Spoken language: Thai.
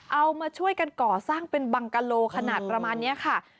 เอามาช่วยกันก่อสร้างเป็นบังกะโลขนาดประมาณนี้ค่ะ